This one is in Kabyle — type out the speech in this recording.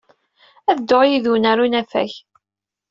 Ad dduɣ yid-wen ɣer unafag.